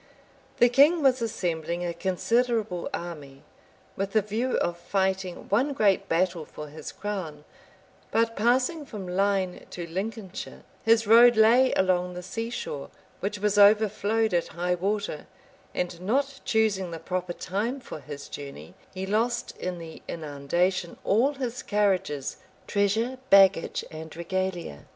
The king was assembling a considerable army, with a view of fighting one great battle for his crown; but passing from Lynne to Lincolnshire, his road lay along the sea shore, which was overflowed at high water; and not choosing the proper time for his journey, he lost in the inundation all his carriages, treasure, baggage, and regalia.